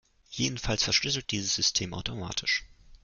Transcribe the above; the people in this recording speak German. Jedenfalls verschlüsselt dieses System automatisch.